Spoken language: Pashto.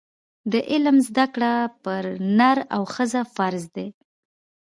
د علم زده کړه پر نر او ښځه فرض ده.